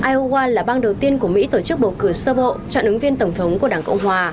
iowa là bang đầu tiên của mỹ tổ chức bầu cử sơ bộ chọn ứng viên tổng thống của đảng cộng hòa